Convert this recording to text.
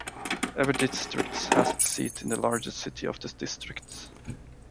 Every districts has its seat in the largest city of the district.